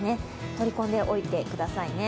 取り込んでおいてくださいね。